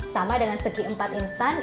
sama dengan segi empat instan